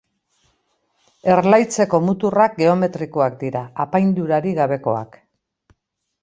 Erlaitzeko muturrak geometrikoak dira, apaindurarik gabekoak.